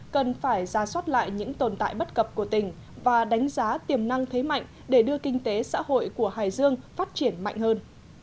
cần phải ra soát lại những tồn tại bất cập của tỉnh và đánh giá tiềm năng thế mạnh để đưa kinh tế xã hội của hải dương phát triển mạnh hơn